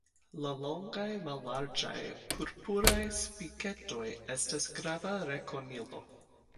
La longaj mallarĝaj purpuraj spiketoj estas grava rekonilo.